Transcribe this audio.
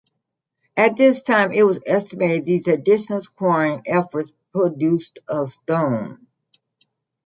At this time it was estimated these additional quarrying efforts produced of stone.